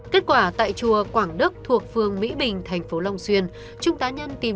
kết quả tại chùa quảng đức thuộc phường mỹ bình thành phố long xuyên trung tá nhân tìm